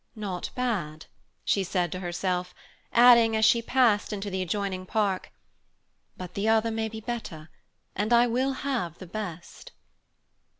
"Not bad," she said to herself, adding, as she passed into the adjoining park, "but the other may be better, and I will have the best."